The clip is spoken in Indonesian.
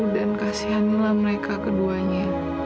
dan kasihanilah mereka keduanya